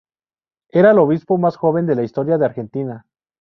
Era el obispo más joven de la historia de Argentina.